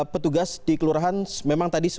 petugas di kelurahan memang tadi